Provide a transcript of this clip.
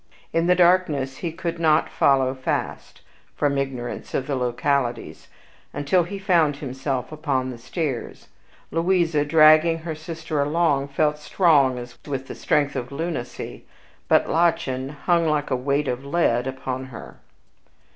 In the darkness he could not follow fast, from ignorance of the localities, until he found himself upon the stairs. Louisa, dragging her sister along, felt strong as with the strength of lunacy, but Lottchen hung like a weight of lead upon her.